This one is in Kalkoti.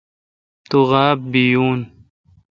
تو غاب بیون۔